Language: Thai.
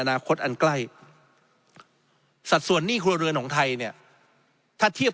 อนาคตอันใกล้สัดส่วนหนี้ครัวเรือนของไทยเนี่ยถ้าเทียบ